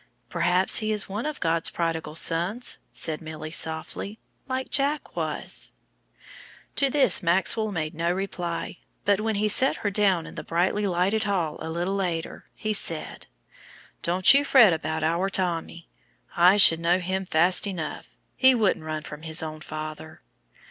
"Perhaps he is one of God's prodigal sons," said Milly softly, "like Jack was." To this Maxwell made no reply, but when he set her down in the brightly lighted hall a little later, he said, "Don't you fret about our Tommy. I should know him fast enough. He wouldn't run from his own father."